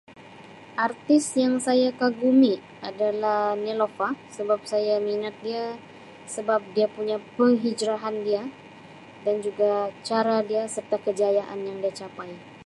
Artis yang saya kagumi adalah Neelofa sebab saya minat dia sebab dia punya penghijraan dia dan juga cara dia serta kejayaan yang dia capai.